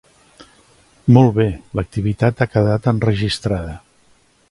Molt bé, l'activitat ha quedat enregistrada.